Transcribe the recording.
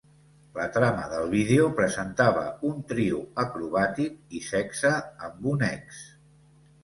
La trama del vídeo presentava un trio "acrobàtic" i sexe amb un ex.